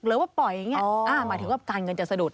หรือว่าปล่อยอย่างนี้หมายถึงว่าการเงินจะสะดุด